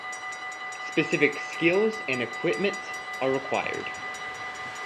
Specific skills and equipment are required.